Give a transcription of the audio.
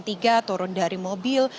turun dari mobil